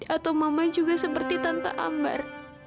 atau mama juga seperti tanpa ambar